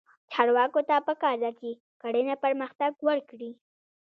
چارواکو ته پکار ده چې، کرنه پرمختګ ورکړي.